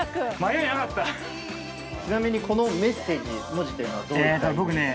ちなみにこのメッセージ文字っていうのはどういった？